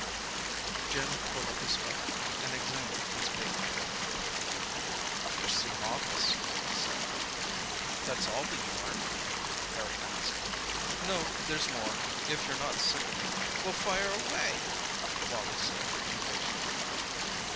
Jim pulled up his book and examined his bait carefully. "Fish seem off us," he said. "That all the yarn?" Harry asked. "No, there's more, if you're not sick of it." "Well, fire away," Wally said impatiently.